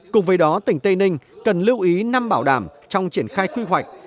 cùng với đó tỉnh tây ninh cần lưu ý năm bảo đảm trong triển khai quy hoạch